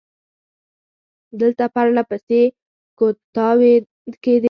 دلته پر له پسې کودتاوې کېدې.